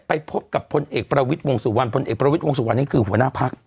ไปพบกับพลเอกประวิทย์วงสุวรรณพลเอกประวิทย์วงสุวรรณนี่คือหัวหน้าพัก